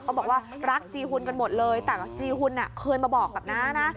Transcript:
บอกว่ารักจีหุ่นกันหมดเลยแต่จีหุ่นเคยมาบอกกับน้านะ